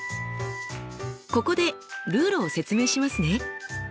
ここでルールを説明しますね。